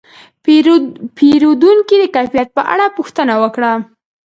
پیرودونکی د کیفیت په اړه پوښتنه وکړه.